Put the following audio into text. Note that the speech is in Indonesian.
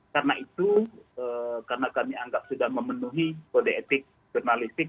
karena itu karena kami anggap sudah memenuhi kode etik jurnalistik